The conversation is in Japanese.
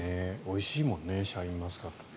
おいしいもんねシャインマスカットね。